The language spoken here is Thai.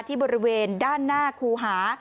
บริเวณด้านหน้าครูหา